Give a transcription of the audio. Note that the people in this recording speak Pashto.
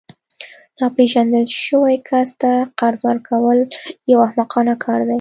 ناپیژندل شوي کس ته قرض ورکول یو احمقانه کار دی